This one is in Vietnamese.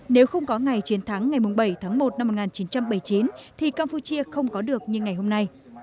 nếu không có ngày chiến thắng ngày bảy tháng một năm một nghìn chín trăm bảy mươi chín thì campuchia không có được như ngày hôm nay